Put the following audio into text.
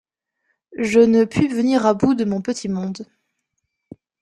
Je ne puis venir à bout de mon petit monde.